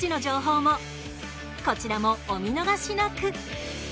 こちらもお見逃しなく！